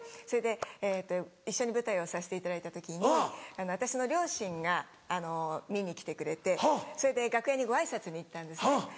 それで一緒に舞台をさせていただいた時に私の両親が見に来てくれてそれで楽屋にご挨拶に行ったんですね。